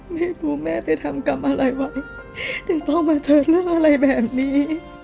ไม่รู้ว่าแม่ไปทำกรรมอะไรไว้ยังต้องมาเจอหน้าอะไรแบบนี้